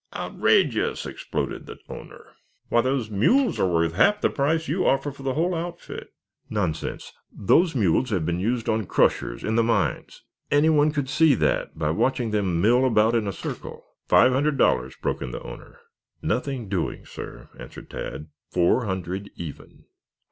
"Outrageous!" exploded the owner. "Why, those mules are worth half of the price you offer for the whole outfit." "Nonsense! Those mules have been used on crushers in the mines. Any one could see that by watching them mill about in a circle " "Five hundred dollars," broke in the owner. "Nothing doing, sir," answered Tad. "Four hundred even."